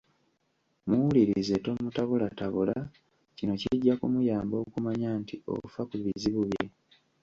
Muwulirize, tomutabulatabula. Kino kijja kumuyamba okumanya nti ofa ku bizibu bye.